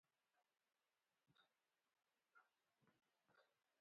وګړي د افغانانو د معیشت سرچینه ده.